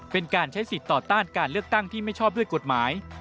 เป็นการใช้สิทธิ์ต่อต้านการเลือกตั้งที่ไม่ชอบด้วยกฎหมาย